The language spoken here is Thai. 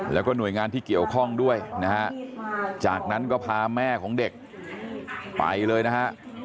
แล้วก็หน่วยงานที่เกี่ยวข้องด้วยนะฮะจากนั้นก็พาแม่ของเด็กไปเลยนะฮะ